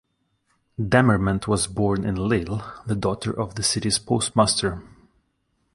Damerment was born in Lille, the daughter of the city's postmaster.